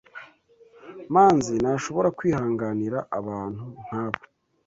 Manzi ntashobora kwihanganira abantu nkabo.